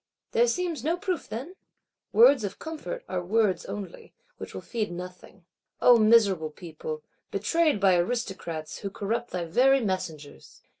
There seems no proof, then? Words of comfort are words only; which will feed nothing. O miserable people, betrayed by Aristocrats, who corrupt thy very messengers!